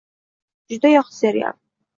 Juda yoqdi serial.